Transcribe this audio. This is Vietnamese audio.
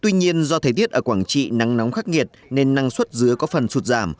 tuy nhiên do thời tiết ở quảng trị nắng nóng khắc nghiệt nên năng suất dứa có phần sụt giảm